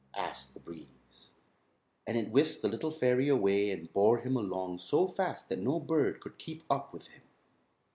asked the breeze; and it whisked the little fairy away and bore him along so fast that no bird could keep up with him.